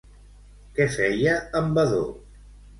Què feia en Vadó?